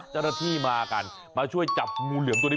เจ้าหน้าที่มากันมาช่วยจับงูเหลือมตัวนี้